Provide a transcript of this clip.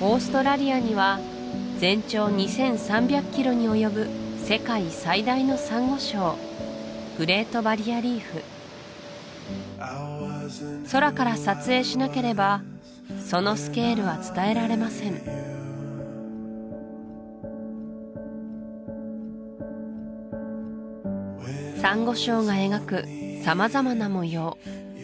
オーストラリアには全長２３００ｋｍにおよぶ世界最大のサンゴ礁グレート・バリア・リーフ空から撮影しなければそのスケールは伝えられませんサンゴ礁が描く様々な模様